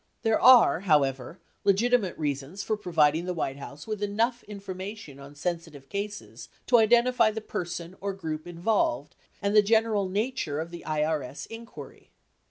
1073 There are, however, legitimate reasons for providing the White House with enough information on sensitive cases to identify the per son or group involved and the general nature of the IRS inquiry.